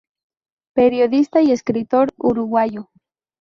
Periodista y escritor uruguayo.